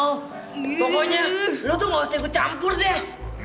pokoknya lo tuh gak usah gue campur deh